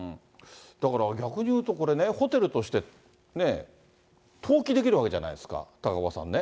だから逆に言うとこれね、ホテルとして登記できるわけじゃないですか、高岡さんね。